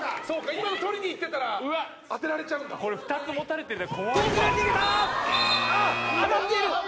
そうか今の取りに行ってたら当てられちゃうんだ２つ持たれてるの怖いわどうする？